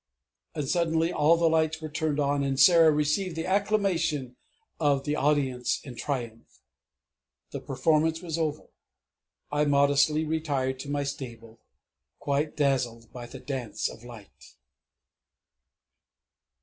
And suddenly all the lights were turned on, and Sarah received the acclamations of the Audience in triumph! The performance was over. I modestly retired to my stable, quite dazzled by the "_Dance of Light.